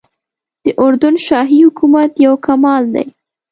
د اردن شاهي حکومت یو کمال دی.